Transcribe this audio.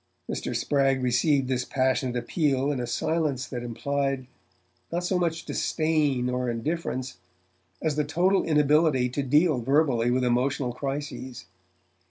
Mr. Spragg received this passionate appeal in a silence that implied not so much disdain or indifference, as the total inability to deal verbally with emotional crises.